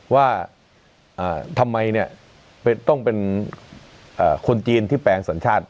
ว่าทำไมต้องเป็นคนจีนที่แปลงสัญชาติ